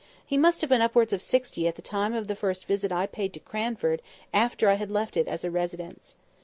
He must have been upwards of sixty at the time of the first visit I paid to Cranford after I had left it as a residence.